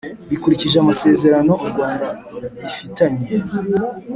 Bikurikije Amasezerano U Rwanda bafitanye